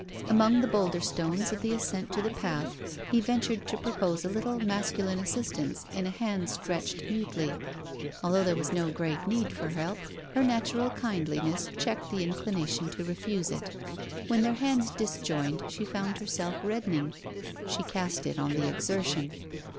Among the boulder stones of the ascent to the path, he ventured to propose a little masculine assistance in a hand stretched mutely. Although there was no great need for help, her natural kindliness checked the inclination to refuse it. When their hands disjoined she found herself reddening. She cast it on the exertion.